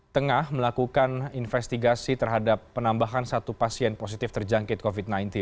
tengah melakukan investigasi terhadap penambahan satu pasien positif terjangkit covid sembilan belas